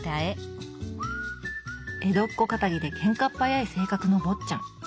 江戸っ子かたぎでけんかっ早い性格の坊っちゃん。